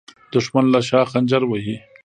دښمن له شا خنجر وهي